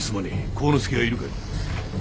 晃之助はいるかい？